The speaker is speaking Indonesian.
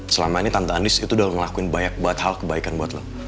selama ini tante anies itu udah ngelakuin banyak hal kebaikan buat lo